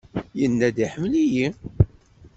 Yenna-d iḥemmel-iyi.